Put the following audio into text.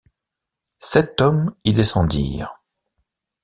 Sept hommes y descendirent.